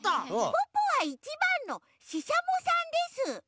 ポッポは１ばんのししゃもさんです。